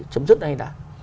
chấm dứt này đã